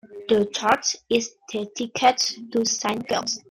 The church is dedicated to Saint Giles.